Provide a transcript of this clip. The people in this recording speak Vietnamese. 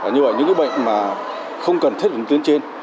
như vậy những cái bệnh mà không cần thiết bị tuyến trên